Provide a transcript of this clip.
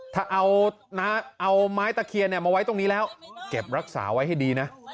ถ้าเอาไม้ตะเคียนมาไว้ตรงนี้แล้วเก็บรักษาไว้ให้ดีนะ